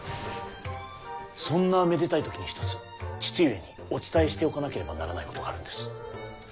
そんなめでたい時に一つ父上にお伝えしておかなければならないことがあるんです。